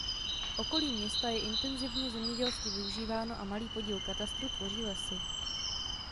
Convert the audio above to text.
Okolí města je intenzivně zemědělsky využíváno a malý podíl katastru tvoří lesy.